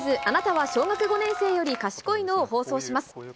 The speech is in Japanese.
あなたは小学５年生より賢いの？を放送します。